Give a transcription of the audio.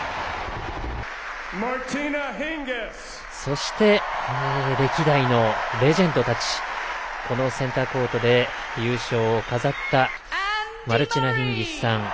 そして、歴代のレジェンドたちこのセンターコートで優勝を飾ったマルチナ・ヒンギスさん。